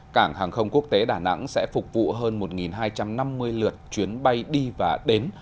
cảng hàng không quốc tế đà nẵng sẽ phục vụ hơn một hai trăm năm mươi lượt chuyến bay đi và đến